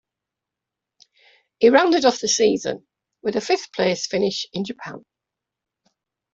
He rounded off the season with a fifth-place finish in Japan.